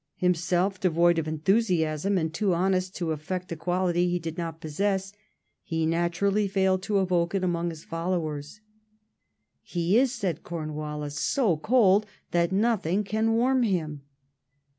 Himself devoid of enthusiasm, and too honest to affect a quality he did not possess, he naturally failed to evoke it among his followei s. "He is," said Cornvvallis, "so cold that nothing can warm him."